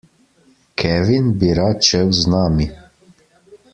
Kevin bi rad šel z nami.